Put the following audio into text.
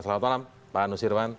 selamat malam pak nusirwan